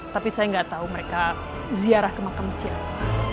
tapi saya nggak tahu mereka ziarah ke makam siapa